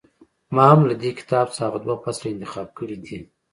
ما هم له دې کتاب څخه هغه دوه فصله انتخاب کړي دي.